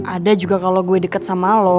ada juga kalau gue deket sama lo